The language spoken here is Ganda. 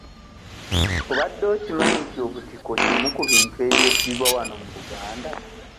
Obadde okimanyi nti obutiko kimu ku bintu ebyeddirwa wano mu Buganda?